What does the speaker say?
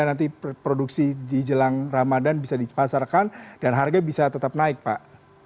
nanti produksi di jelang ramadan bisa dipasarkan dan harga bisa tetap naik pak